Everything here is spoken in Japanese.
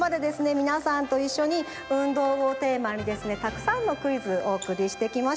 みなさんといっしょに「運動」をテーマにですねたくさんのクイズおおくりしてきました。